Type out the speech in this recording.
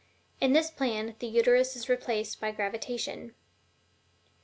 In this plan, the Uterus is replaced by gravitation.